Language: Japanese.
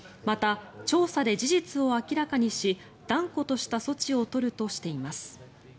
また、調査で事実を明らかにし断固とした措置を取るとしています。